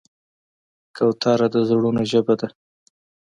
کوتره د زړونو ژبه ده.